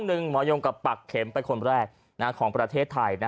หมอยงกับปักเข็มเป็นคนแรกของประเทศไทย